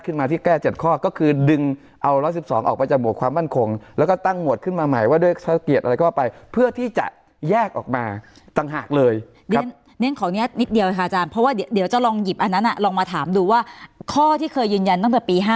ขณะนิติราศขึ้นมาที่แก้๗ข้อก็คือดึงเอา๑๑๒ไม่จะบวกความบ้านคง